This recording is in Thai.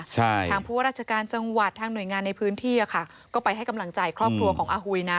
ทางผู้ว่าราชการจังหวัดทางหน่วยงานในพื้นที่อ่ะค่ะก็ไปให้กำลังใจครอบครัวของอาหุยนะ